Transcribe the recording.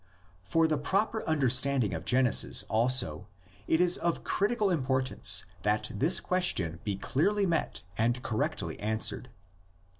For the proper understanding of Genesis, also, it is of critical importance that this question be clearly met and correctly answered.